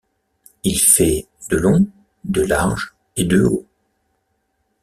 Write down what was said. Il fait de long, de large et de haut.